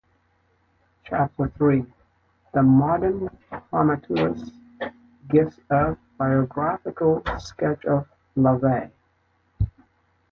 Chapter three, "The Modern Prometheus", gives a biographical sketch of LaVey.